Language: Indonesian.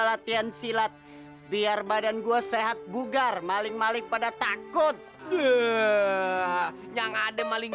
latihan silat biar badan gua sehat bugar maling maling pada takut yang ada maling